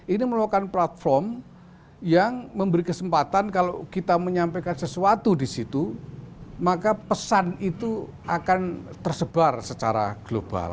ini merupakan platform yang memberi kesempatan kalau kita menyampaikan sesuatu di situ maka pesan itu akan tersebar secara global